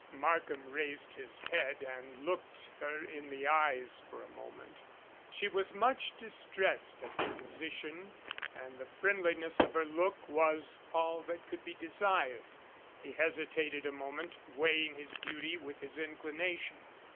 Markham raised his head and looked her in the eyes for a full moment. She was much distressed at the posi tion, and the friendliness of her look was all that could be desired. He hesitated a moment, weighing his duty with his inclination.